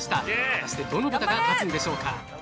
果たしてどの豚が勝つんでしょうか。